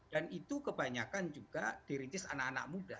dan itu kebanyakan juga diritis anak anak muda